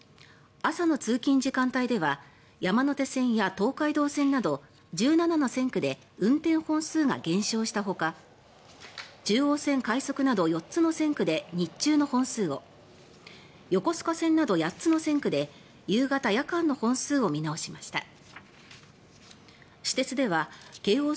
朝の通勤時間帯では山手線や東海道線など１７の線区で運転本数が減少したほか中央線快速など４つの線区で日中の本数を横須賀線など８つの線区で夕方・夜間の本数を見直しました。